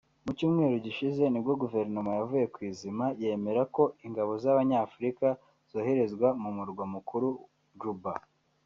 Mu cyumweru gishize nibwo Guverinoma yavuye ku izima yemera ko ingabo z’Abanyafurika zoherezwa mu murwa mukuru Juba